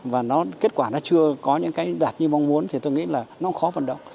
và kết quả nó chưa có những cái đạt như mong muốn thì tôi nghĩ là nó khó vận động